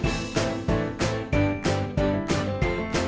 มีความสุขในที่เราอยู่ในช่องนี้ก็คือความสุขในที่เราอยู่ในช่องนี้